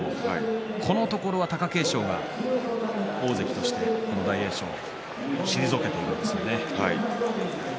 このところは貴景勝が大関として大栄翔を退けています。